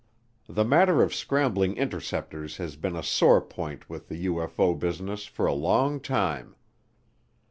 The matter of scrambling interceptors has been a sore point with the UFO business for a long time.